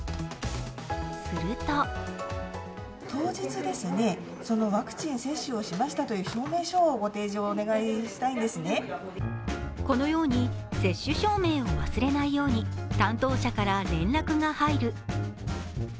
するとこのように接種証明を忘れないように担当者から連絡が入る。